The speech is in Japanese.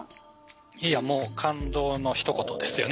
いやもう感動のひと言ですよね。